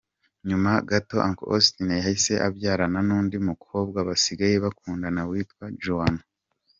Nyuma gato Uncle Austin yahise abyarana n’undi mukobwa basigaye bakundana witwa Joannah.